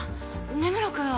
根室君は？